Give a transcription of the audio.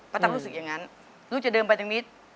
พี่ตั๊กรู้สึกอย่างนั้น